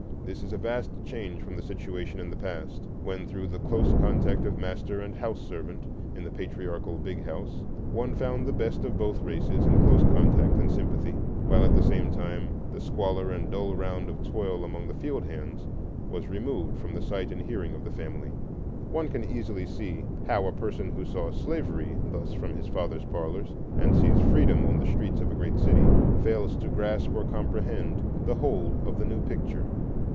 This is a vast change from the situation in the past, when, through the close contact of master and house servant in the patriarchal big house, one found the best of both races in close contact and sympathy, while at the same time the squalor and dull round of toil among the field hands was removed from the sight and hearing of the family. One can easily see how a person who saw slavery thus from his father's parlors, and sees freedom on the streets of a great city, fails to grasp or comprehend the whole of the new picture.